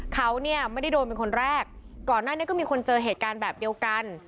เขาเนี่ยไม่ได้โดนเป็นคนแรกก่อนหน้านี้ก็มีคนเจอเหตุการณ์แบบเดียวกัน